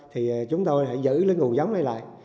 thì chúng tôi hãy giữ lưới nguồn giống này lại